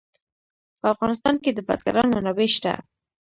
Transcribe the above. په افغانستان کې د بزګان منابع شته.